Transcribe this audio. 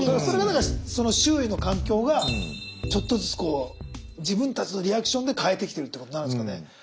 それがだから周囲の環境がちょっとずつ自分たちのリアクションで変えてきてるってことになるんですかね。